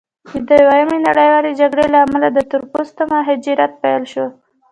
د دویمې نړیوالې جګړې له امله د تور پوستو مهاجرت پیل شو.